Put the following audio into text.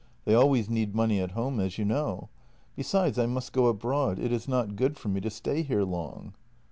They always need money at home, as you know. Besides, I must go abroad; it is not good for me to stay here long."